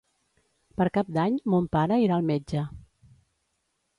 Per Cap d'Any mon pare irà al metge.